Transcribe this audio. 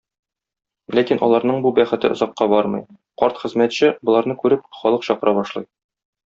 Ләкин аларның бу бәхете озакка бармый, карт хезмәтче, боларны күреп, халык чакыра башлый.